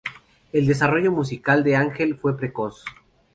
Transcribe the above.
El desarrollo musical de Ángel fue muy precoz.